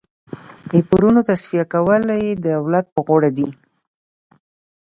د پورونو تصفیه کول یې د دولت پر غاړه دي.